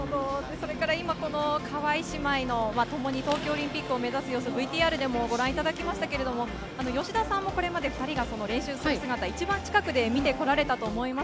川井姉妹と共に東京オリンピックを目指す様子をご覧いただきましたけど、吉田さんもこれまで練習してる姿を一番近くで見てこられたと思います。